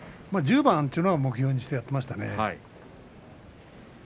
１０番というのは目標にしていましたね。